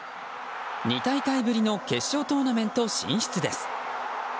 ２大会ぶりの決勝トーナメント進出です。